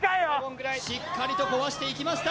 しっかりと壊していきました